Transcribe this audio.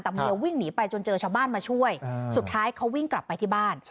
แต่เมียวิ่งหนีไปจนเจอชาวบ้านมาช่วยสุดท้ายเขาวิ่งกลับไปที่บ้าน